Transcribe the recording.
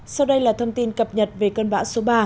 sau đây là thông tin cập nhật về cơn bão số ba